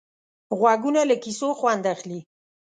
غوږونه له کیسو خوند اخلي